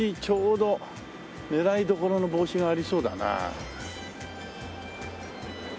ちょうど狙いどころの帽子がありそうだな。